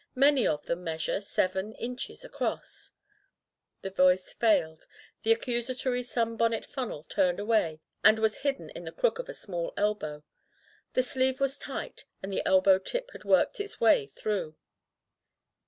Many of them measure — seven — inches — ^across —*' The voice failed, the accusatory sunbonnet funnel turned away and was hidden in the crook of a small elbow. The sleeve was tight, and the elbow tip had worked its way through.